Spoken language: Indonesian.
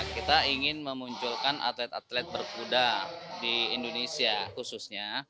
kita ingin memunculkan atlet atlet berkuda di indonesia khususnya